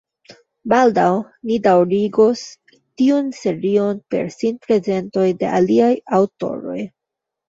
Baldaŭ ni daŭrigos tiun serion per sinprezentoj de aliaj aŭtoroj.